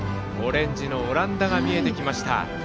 オレンジのオランダが見えてきました。